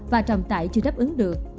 và trọng tải chưa đáp ứng được